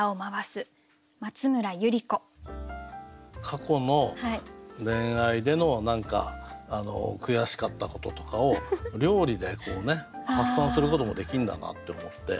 過去の恋愛での何か悔しかったこととかを料理で発散することもできるんだなって思って。